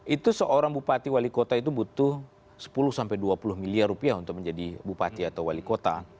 itu seorang bupati wali kota itu butuh sepuluh sampai dua puluh miliar rupiah untuk menjadi bupati atau wali kota